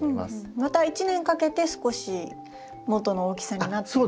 また１年かけて少し元の大きさになっていくっていう。